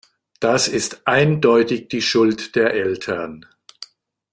Das ist eindeutig die Schuld der Eltern.